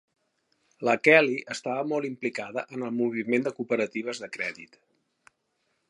La Kelly estava molt implicada en el moviment de cooperatives de crèdit.